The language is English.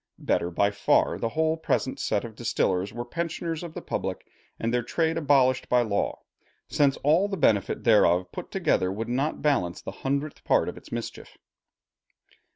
Better by far the whole present set of distillers were pensioners of the public, and their trade abolished by law; since all the benefit thereof put together would not balance the hundredth part of its mischief.